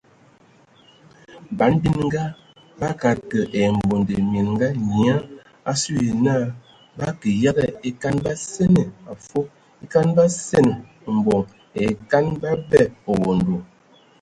Ban bininga bakad kə ai mbonde mininga (nyia) asu na bə yəgə e kan basene afub e kan basen mimboŋ ai e kan babƐ owondo.